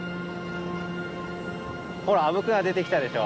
ほらあぶくが出てきたでしょ？